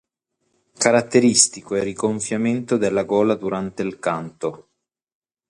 Caratteristico è il rigonfiamento della gola durante il canto.